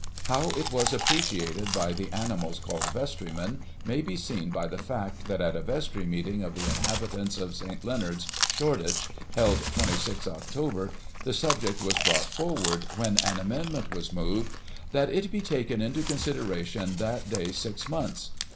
How it was appreciated by the animals called " Vestrymen may be seen by the fact that at a Vestry meeting of the inhabitants of St. Leonard's, Shore Digitized by Google 1846] SMITHFIELD. 303 ditch, held 26 Oct, the subject was brought forward, when an amendment was moved " that it be taken into considera tion that day six months."